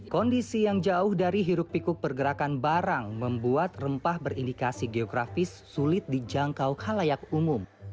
kondisi yang jauh dari hiruk pikuk pergerakan barang membuat rempah berindikasi geografis sulit dijangkau halayak umum